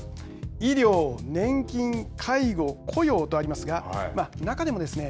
医療、年金、介護、雇用とありますが中でもですね